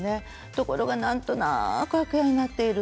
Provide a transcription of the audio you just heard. ところがなんとなく空き家になっている。